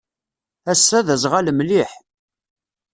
Ass-a, d aẓɣal mliḥ.